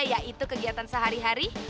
yaitu kegiatan sehari hari